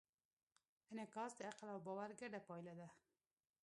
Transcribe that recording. انعکاس د عقل او باور ګډه پایله ده.